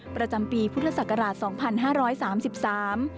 ประจำปีพุทธศักราชสองพันห้าร้อยสามสิบสาม